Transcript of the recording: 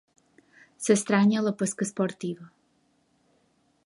S'estranya la pesca esportiva.